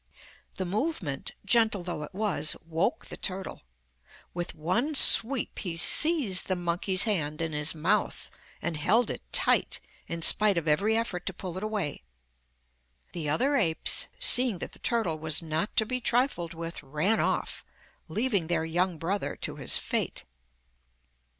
The movement, gentle though it was, woke the turtle. With one sweep he seized the monkey's hand in his mouth, and held it tight, in spite of every effort to pull it away. The other apes, seeing that the turtle was not to be trifled with, ran off, leaving their young brother to his fate.